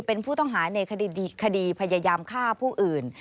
เป็นผู้ต้องหาในคดีพยายามฆ่าผู้อื่น